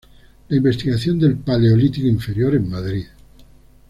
La investigación del Paleolítico inferior en Madrid".